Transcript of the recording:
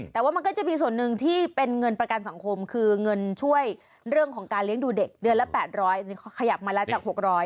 แต่ว่ามันก็จะมีส่วนหนึ่งที่เป็นเงินประกันสังคมคือเงินช่วยเรื่องของการเลี้ยงดูเด็กเดือนละ๘๐๐ขยับมาแล้วจาก๖๐๐